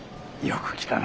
よく来た。